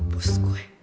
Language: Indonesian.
kau mau ke rumah nata